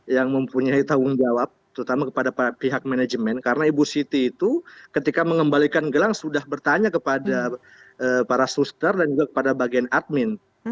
yang mempunyai tanggung jawab terutama kepada pihak manajemen karena ibu siti itu ketika mengembalikan gelang sudah bertanya kepada para suster dan juga kepada bagian admin